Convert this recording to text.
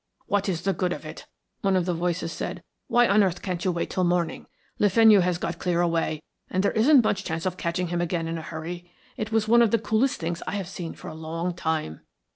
"What is the good of it?" one of the voices said. "Why on earth can't you wait till morning? Le Fenu has got clear away, and there isn't much chance of catching him again in a hurry. It was one of the coolest things I have seen for a long time."